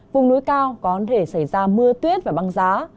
vùng núi cao có thể xảy ra mưa tuyết và băng giá